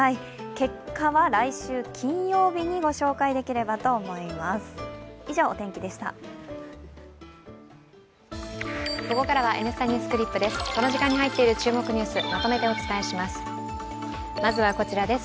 結果は来週金曜日にご紹介できればと思います。